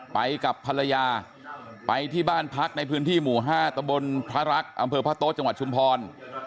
ไปกับภรรยาไปที่บ้านพักในพื้นที่หมู่๕ตะบนพระรักษ์อำเภอพระโต๊ะจังหวัดชุมพร